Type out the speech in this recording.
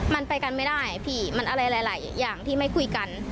มันไปกันไม่ได้พี่มันอะไรหลายอย่างที่ไม่คุยกัน